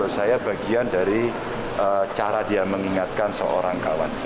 saya bagian dari cara dia mengingatkan seorang kawan